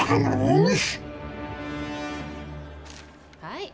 はい。